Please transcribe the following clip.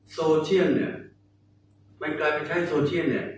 โซเชียนของผมมันกลายเป็นทั้งโซเชียน